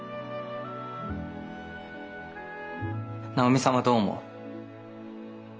直美さんはどう思う？